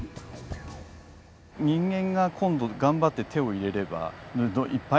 人間が今度頑張って手を入れればいっぱい